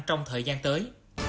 trong thời gian tới